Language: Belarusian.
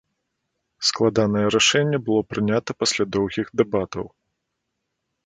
Складанае рашэнне было прынята пасля доўгіх дэбатаў.